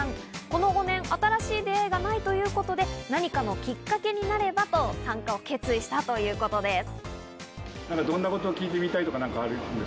この５年、新しい出会いがないということで、何かのきっかけになればと、決意したということです。